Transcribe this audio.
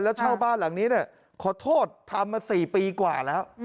แล้วเช่าบ้านหลังนี้ขอโทษทำมา๔ปีกว่าแล้ว